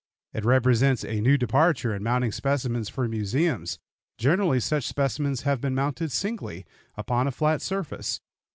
It represents a new departure in mounting specimens for museums. Generally such specimens have been mounted singly, upon a flat surface.